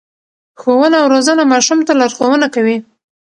ښوونه او روزنه ماشوم ته لارښوونه کوي.